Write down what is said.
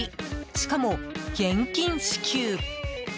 しかも、現金支給。